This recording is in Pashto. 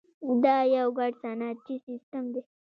دا یو ګډ صنعتي سیستم دی.